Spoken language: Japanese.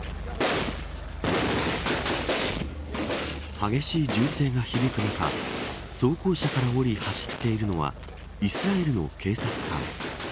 激しい銃声が響く中装甲車から降り走っているのはイスラエルの警察官。